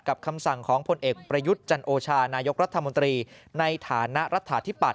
ข้ามสั่งของพลเอกประยุทธจันโฌชานายกรัฐทมตรีในฐานะรัตฐาที่